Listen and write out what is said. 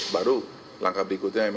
baru langkah berikutnya mri jadi gitu